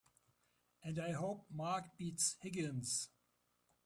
And I hope Mark beats Higgins!